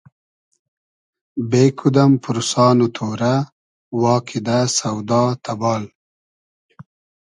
بې کودئم پورسان و تۉرۂ وا کیدۂ سۆدا تئبال